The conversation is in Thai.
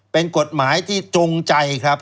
เป็นกฎหมายที่จงใจครับ